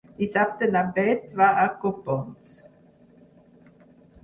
Dissabte na Beth va a Copons.